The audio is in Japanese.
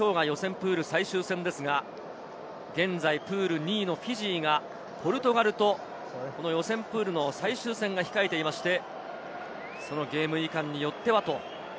プール最終戦ですが、現在プール２位のフィジーがポルトガルと予選プールの最終戦が控えていて、そのゲームによってはという。